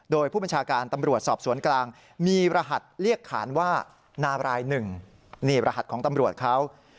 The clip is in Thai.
โดยผู้บัญชาการตำรวจสอบสวนกลางมีรหัสเรียกขานว่านารายหนึ่งนี่รหัสของตำรวจเขา